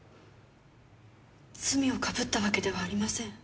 罪をかぶったわけではありません。